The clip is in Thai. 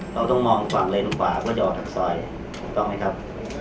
เราต้องมองฝั่งเลนกว่าเพื่อจะออกจากซอยถูกต้องไหมครับ